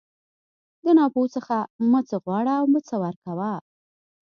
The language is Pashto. د ناپوه څخه مه څه غواړه او مه څه ورکوه.